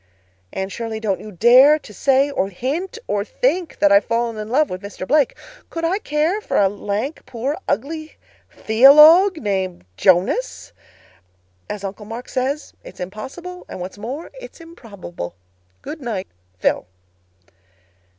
"Anne Shirley, don't you dare to say or hint or think that I've fallen in love with Mr. Blake. Could I care for a lank, poor, ugly theologue—named Jonas? As Uncle Mark says, 'It's impossible, and what's more it's improbable.' "Good night, PHIL."